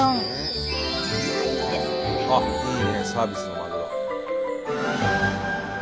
あっいいねサービスのまぐろ。